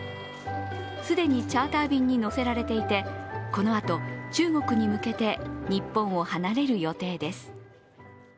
すでにチャーター便に乗せられていて、このあと、中国に向けて日本を離れる予定です。